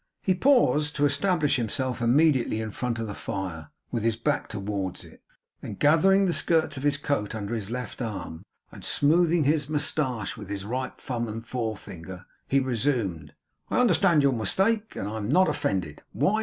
He paused to establish himself immediately in front of the fire with his back towards it. Then gathering the skirts of his coat under his left arm, and smoothing his moustache with his right thumb and forefinger, he resumed: 'I understand your mistake, and I am not offended. Why?